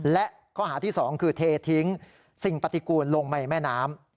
และข้อหาที่๒คือเททิ้งสิ่งปฏิกูลลงในแม่น้ำ